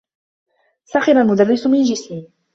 سخر المدرّس من جسمي.